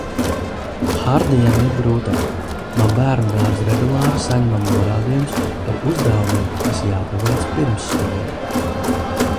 Hardijam iet grūtāk. No bērnudārza regulāri saņemam norādījumus par uzdevumiem, kas jāpaveic pirmsskolā.